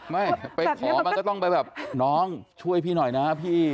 ไม่ไปขอมันก็ต้องไปแบบน้องช่วยพี่หน่อยนะพี่